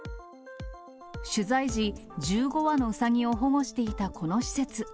取材時、１５羽のうさぎを保護していたこの施設。